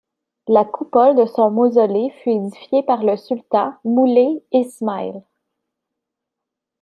La coupole de son mausolée fut édifié par le sultan Moulay Ismaïl.